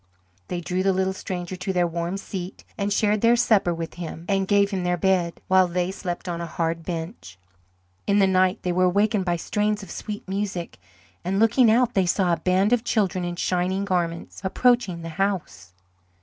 They drew the little stranger to their warm seat and shared their supper with him, and gave him their bed, while they slept on a hard bench. In the night they were awakened by strains of sweet music, and looking out, they saw a band of children in shining garments, approaching the house.